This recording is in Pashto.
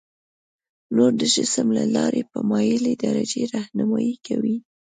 نور د جسم له لارې په مایلې درجې رهنمایي کوي.